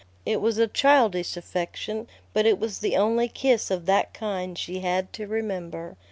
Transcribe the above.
It was a childish affection, but it was the only kiss of that kind she had to remember.